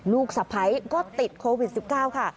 ลูกสะพ้ายก็ติดโควิด๑๙ค่ะ